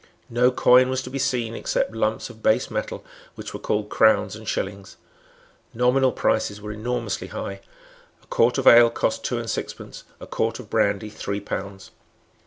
No coin was to be seen except lumps of base metal which were called crowns and shillings. Nominal prices were enormously high. A quart of ale cost two and sixpence, a quart of brandy three pounds.